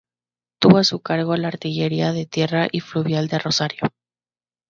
Tuvo a su cargo la artillería de tierra y fluvial de Rosario.